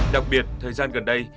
đặc biệt thời gian gần đây